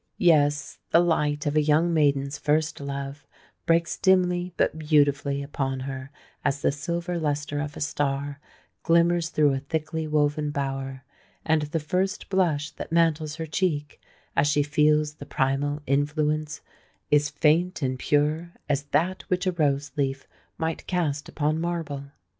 Yes—the light of a young maiden's first love breaks dimly but beautifully upon her as the silver lustre of a star glimmers through a thickly woven bower; and the first blush that mantles her cheek, as she feels the primal influence, is faint and pure as that which a rose leaf might cast upon marble.